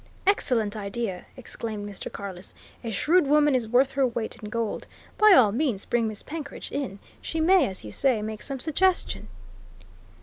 "Excellent idea!" exclaimed Mr. Carless. "A shrewd woman is worth her weight in gold! By all means bring Miss Penkridge in she may, as you say, make some suggestion."